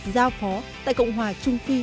giao phó tại cộng hòa trung phi